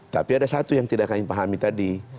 tapi ada satu yang tidak kami pahami tadi